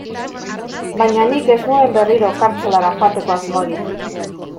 Baina nik ez nuen berriro kartzelara joateko asmorik.